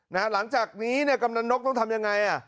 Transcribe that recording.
หลังจากนี้เนี่ยกำนันนกต้องทำยังไงอ่ะ